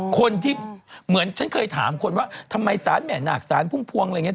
คนที่เหมือนฉันเคยถามคนว่าทำไมสารแม่หนักสารพุ่มพวงอะไรอย่างนี้